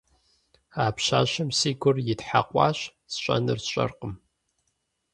А пщащэм си гур итхьэкъуащ, сщӏэнур сщӏэркъым.